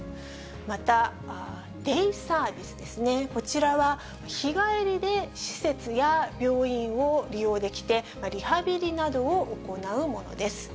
またデイサービスですね、こちらは日帰りで施設や病院を利用できて、リハビリなどを行うものです。